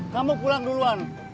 kamu pulang duluan